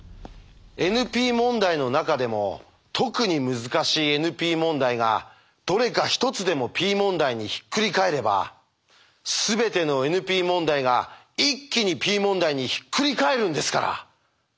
ＮＰ問題の中でも特に難しいＮＰ問題がどれか１つでもＰ問題にひっくり返ればすべてのＮＰ問題が一気にＰ問題にひっくり返るんですから。